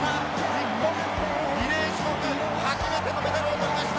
日本リレー種目初めてのメダルを取りました。